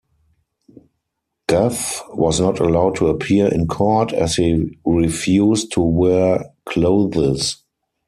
Gough was not allowed to appear in court as he refused to wear clothes.